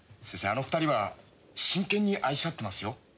あの２人は真剣に愛しあってますよ